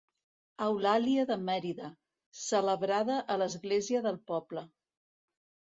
Eulàlia de Mèrida, celebrada a l'església del poble.